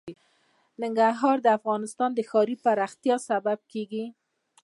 ننګرهار د افغانستان د ښاري پراختیا سبب کېږي.